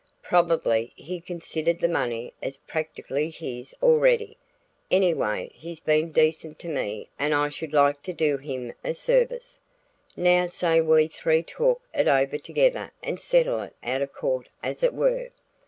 Probably he considered the money as practically his already; anyway he's been decent to me and I should like to do him a service. Now say we three talk it over together and settle it out of court as it were.